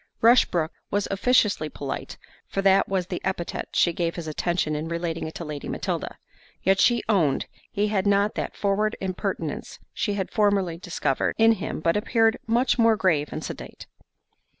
Rushbrook was officiously polite, (for that was the epithet she gave his attention in relating it to Lady Matilda) yet she owned he had not that forward impertinence she had formerly discovered in him, but appeared much more grave and sedate.